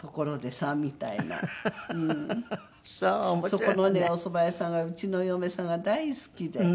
そこのねおそば屋さんがうちのお嫁さんが大好きで。